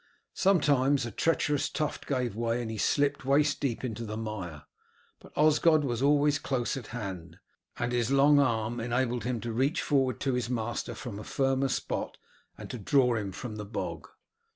Sometimes a treacherous tuft gave way and he slipped waist deep into the mire, but Osgod was always close at hand, and his long arm enabled him to reach forward to his master from a firmer spot and to draw him from the bog.